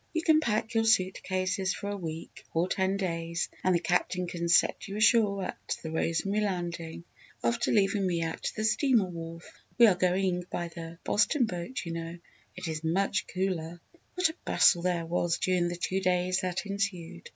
You can pack your suit cases for a week or ten days and the Captain can set you ashore at the Rosemary landing after leaving me at the steamer wharf. We are going by the Boston boat you know it is much cooler." What a bustle there was during the two days that ensued.